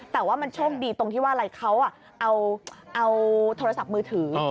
แต่ว่ามันโชคดีตรงที่ว่าอะไรเขาเอาโทรศัพท์มือถือ